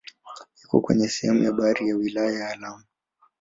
Iko kwenye sehemu ya barani ya wilaya ya Lamu.